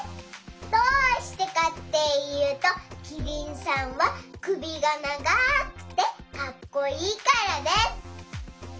どうしてかっていうとキリンさんはくびがながくてかっこいいからです。